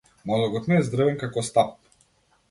Мозокот ми е здрвен како стап.